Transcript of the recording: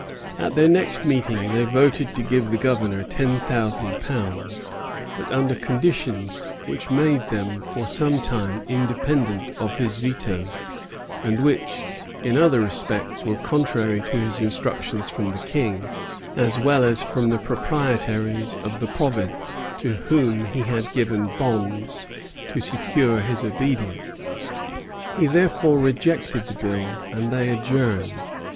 At their next meeting they voted to give the Governor ten thousand pounds; but under conditions which made them for some time independent of his veto, and which, in other respects, were contrary to his instructions from the King, as well as from the proprietaries of the province, to whom he had given bonds to secure his obedience. He therefore rejected the bill, and they adjourned.